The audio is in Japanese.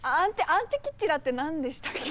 アンティキティラって何でしたっけ？